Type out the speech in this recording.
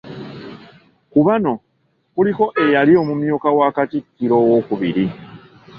Ku bano kuliko eyaliko omumyuka wa Katikkiro owookubiri.